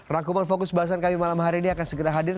rangkuman fokus bahasan kami malam hari ini akan segera hadir